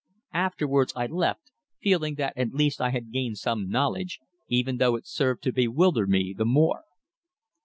Afterwards I left, feeling that at least I had gained some knowledge, even though it served to bewilder me the more.